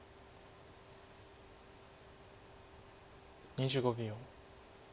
２５秒。